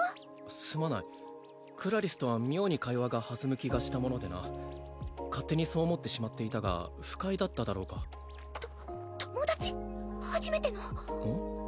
すまないクラリスとは妙に会話が弾む気がしたものでな勝手にそう思ってしまっていたが不快だっただろうかと友達初めてのうん？